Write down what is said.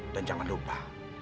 dan jangan lupa